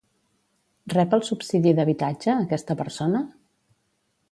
Rep el subsidi d'habitatge, aquesta persona?